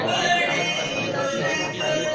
بہرحال جو ہونا تھا۔